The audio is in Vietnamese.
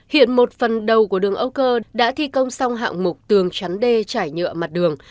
hiện một phần đầu của đường âu cơ đã thi công xong hạng mục tường chắn đê trải nhựa mặt đường